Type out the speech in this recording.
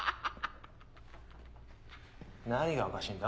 何がおかしいんだ？